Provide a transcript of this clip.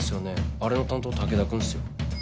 あれの担当武田君っすよ。